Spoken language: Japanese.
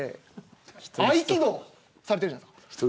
合気道されてるじゃないですか。